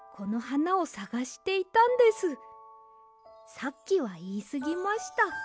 さっきはいいすぎました。